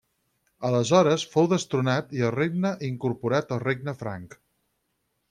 Aleshores fou destronat i el regne incorporat al regne franc.